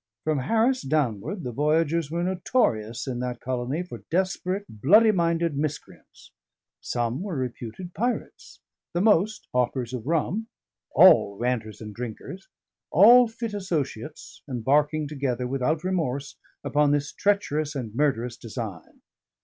From Harris downward the voyagers were notorious in that colony for desperate, bloody minded miscreants; some were reputed pirates, the most hawkers of rum; all ranters and drinkers; all fit associates, embarking together without remorse, upon this treacherous and murderous design.